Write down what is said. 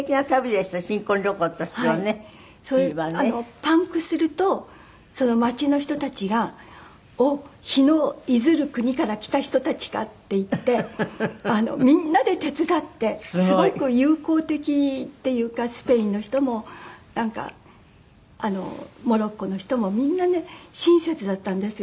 パンクすると町の人たちが「おお日の出づる国から来た人たちか」って言ってみんなで手伝ってすごく友好的っていうかスペインの人もなんかモロッコの人もみんなね親切だったんですよ